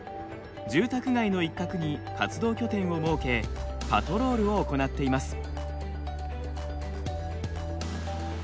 住宅街の一角に活動拠点を設けパトロールを行っています。